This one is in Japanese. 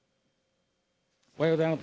おはようございます。